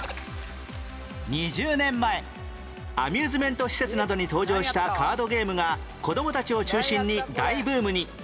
２０年前アミューズメント施設などに登場したカードゲームが子供たちを中心に大ブームに